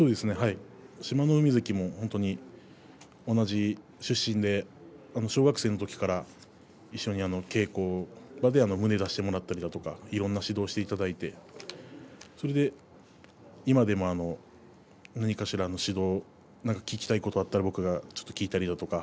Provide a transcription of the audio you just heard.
志摩ノ海関も同じ出身で小学生のときから、一緒に稽古で胸を出してもらったりとかいろいろな指導をしていただいてそれで今でも何かしらの指導聞きたいことがあったら僕が聞いたりだとか